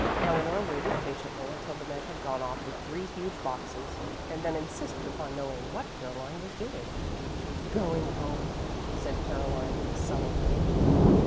Eleanor waited patiently until the men had gone off with three huge boxes, and then insisted upon knowing what Caroline was doing. "Going home," said Caroline sullenly.